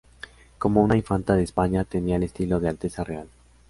Como una infanta de España, tenía el estilo de Alteza Real.